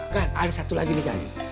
gan ada satu lagi nih gan